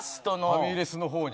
ファミレスの方に。